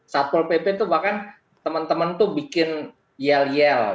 satpol pp itu bahkan teman teman tuh bikin yel yel